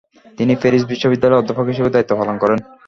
তিনি প্যারিস বিশ্ববিদ্যালয়ে অধ্যাপক হিসেবে দায়িত্ব পালন করেন।